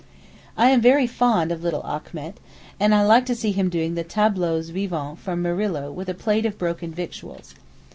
I am very fond of little Achmet, and like to see him doing tableaux vivants from Murillo with a plate of broken victuals.